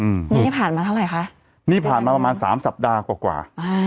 อืมนี่ผ่านมาเท่าไหร่คะนี่ผ่านมาประมาณสามสัปดาห์กว่ากว่าอ่า